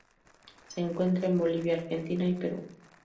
Se encuentra en Bolivia, Argentina y Perú.